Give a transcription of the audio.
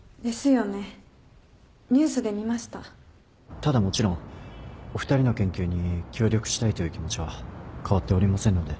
ただもちろんお二人の研究に協力したいという気持ちは変わっておりませんので。